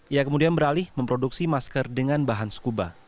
ia kemudian beralih memproduksi masker dengan bahan skuba